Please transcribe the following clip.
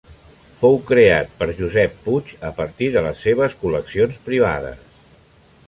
Fou creat per Josep Puig a partir de les seves col·leccions privades.